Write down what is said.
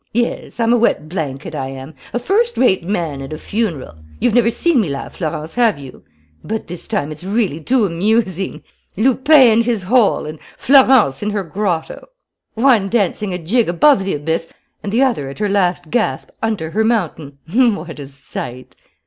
Yes, I'm a wet blanket, I am; a first rate man at a funeral! You've never seen me laugh, Florence, have you? But this time it's really too amusing. Lupin in his hole and Florence in her grotto; one dancing a jig above the abyss and the other at her last gasp under her mountain. What a sight!